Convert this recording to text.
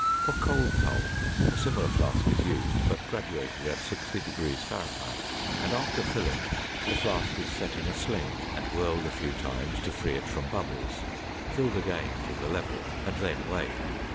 For cold pulp, a similar flask is used, but graduated at 60 degrees F. and after filling, the flask is set in a sling and whirled a few times to free it from bubbles, filled again to the level, and then weighed.